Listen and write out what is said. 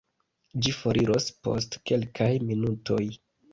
Ĝi foriros post kelkaj minutoj.